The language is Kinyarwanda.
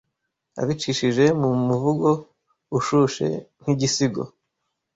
Abicishije mu muvugo ushushe nk’igisigo